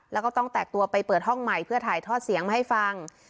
แล้วก็ต้องแตกตัวไปเปิดห้องใหม่เพื่อถ่ายทอดเสียงมาให้ฟัง